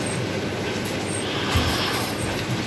د کومو ښځو سره بايد ودونه وسي؟